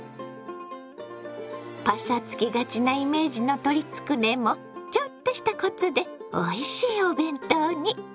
パサつきがちなイメージの鶏つくねもちょっとしたコツでおいしいお弁当に。